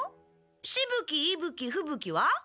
しぶ鬼いぶ鬼ふぶ鬼は？